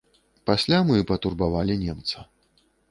Пасля мы патурбавалі немца.